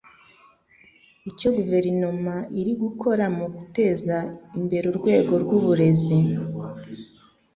icyo Guverinoma iri gukora mu guteza imbere urwego rw'uburezi